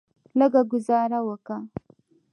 لږه ګوزاره وکه.